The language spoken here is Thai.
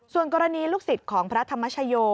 ส่วนกรณีลูกศิษย์ของพระธรรมชโย